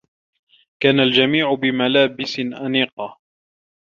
كان الجميع بملابس أنيقة.